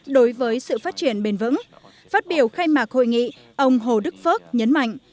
đối với sự phát triển bền vững phát biểu khai mạc hội nghị ông hồ đức phước nhấn mạnh